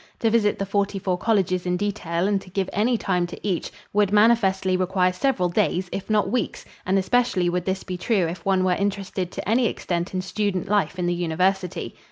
To visit the forty four colleges in detail and to give any time to each would manifestly require several days if not weeks and especially would this be true if one were interested to any extent in student life in the University.